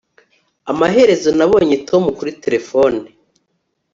amaherezo nabonye tom kuri terefone